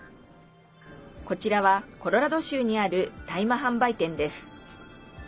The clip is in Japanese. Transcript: こちらは、コロラド州にある大麻販売店です。